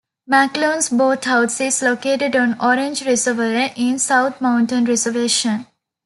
McLoone's Boathouse is located on Orange Reservoir in South Mountain Reservation.